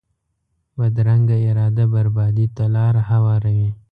بدرنګه اراده بربادي ته لار هواروي